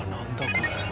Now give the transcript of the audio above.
これ。